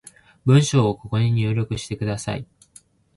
文章をここに入力してください